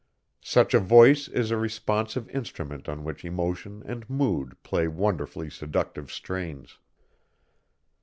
Such a voice is a responsive instrument on which emotion and mood play wonderfully seductive strains.